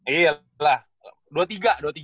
iya lah dua puluh tiga tahun lalu